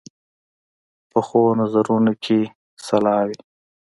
پخو نظرونو کې اصلاح وي